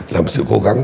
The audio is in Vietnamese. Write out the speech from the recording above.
là một sự cố gắng